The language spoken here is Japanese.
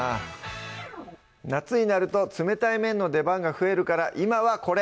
夏になると冷たい麺の出番が増えるから今はこれ！